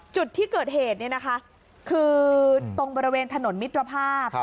จุดที่เกิดเหตุเนี่ยนะคะคือตรงบริเวณถนนมิตรภาพ